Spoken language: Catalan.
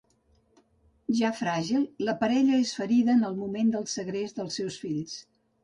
Ja fràgil, la parella és ferida en el moment del segrest dels seus fills.